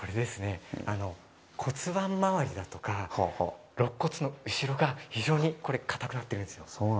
骨盤回りだとか肋骨の後ろが非常に硬くなっているんです。